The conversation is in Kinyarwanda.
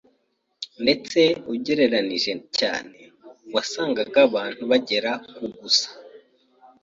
Ndetse ugereranije cyane, wasangaga abantu bagera ku gusa.